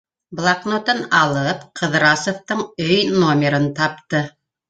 - Блокнотын алып, Ҡыҙрасовтың өй номерын тапты.